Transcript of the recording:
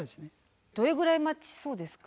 どれぐらい待ちそうですか？